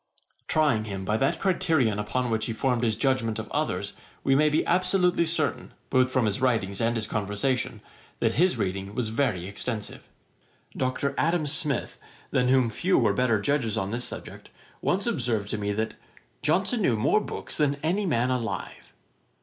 Trying him by that criterion upon which he formed his judgement of others, we may be absolutely certain, both from his writings and his conversation, that his reading was very extensive. Dr. Adam Smith, than whom few were better judges on this subject, once observed to me that 'Johnson knew more books than any man alive.'